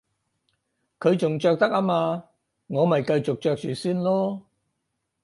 佢仲着得吖嘛，我咪繼續着住先囉